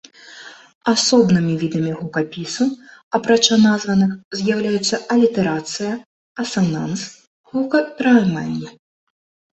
Асобнымі відамі гукапісу, апрача названых, з'яўляюцца алітэрацыя, асананс, гукаперайманне.